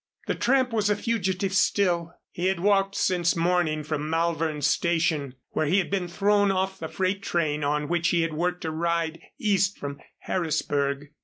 The tramp was a fugitive still. He had walked since morning from Malvern station, where he had been thrown off the freight train on which he had worked a ride east from Harrisburg.